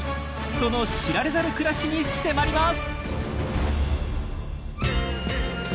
その知られざる暮らしに迫ります！